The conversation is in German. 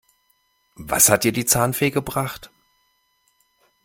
Was hat dir die Zahnfee gebracht?